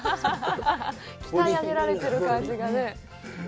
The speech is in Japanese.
鍛え上げられてる感じがね。